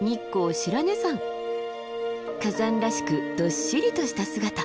火山らしくどっしりとした姿。